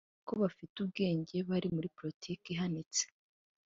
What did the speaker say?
bibwira ko bafite ubwenge bari muri politiki ihanitse